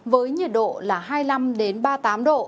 với nhiệt độ là hai mươi năm ba mươi tám độ